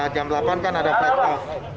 jam delapan kan ada flight park